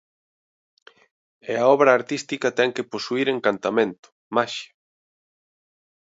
E a obra artística ten que posuír encantamento, maxia.